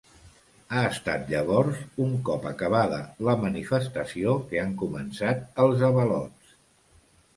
Ha estat llavors, un cop acabada la manifestació, que han començat els avalots.